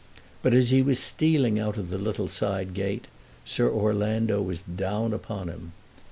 But as he was stealing out of the little side gate, Sir Orlando was down upon him.